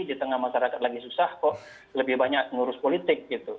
di tengah masyarakat lagi susah kok lebih banyak ngurus politik gitu